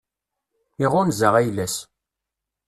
Iɣunza ayla-s.